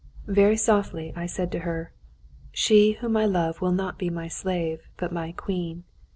Very softly I said to her: "She whom I love will not be my slave, but my queen.